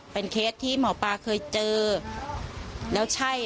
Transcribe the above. เป็นเคสที่หมอปลาเคยเจอแล้วใช่